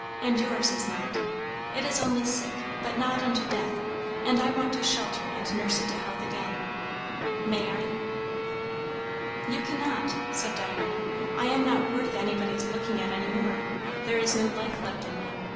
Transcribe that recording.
And yours is not. It is only sick, but not unto death; and I want to shelter and nurse it to health again. May I?" "You cannot," said Diana. "I am not worth anybody's looking at any more. There is no life left in me.